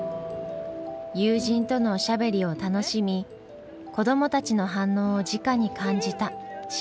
友人とのおしゃべりを楽しみ子どもたちの反応をじかに感じた下関の旅。